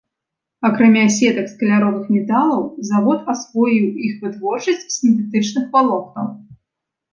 Акрамя сетак з каляровых металаў, завод асвоіў іх вытворчасць з сінтэтычных валокнаў.